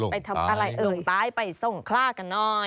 ไปทำอะไรลงตายไปส่งคลากันหน่อย